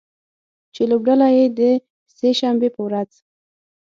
چې لوبډله یې د سې شنبې په ورځ